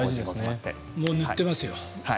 もう塗ってますよ。